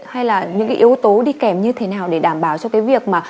hay là những cái yếu tố đi kèm như thế nào để đảm bảo cho cái việc mà